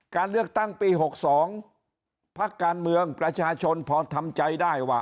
การเลือกตั้งปี๖๒พักการเมืองประชาชนพอทำใจได้ว่า